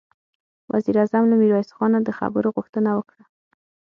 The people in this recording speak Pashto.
وزير اعظم له ميرويس خانه د خبرو غوښتنه وکړه.